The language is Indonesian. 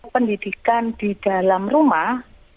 pendidikan di dalam rumah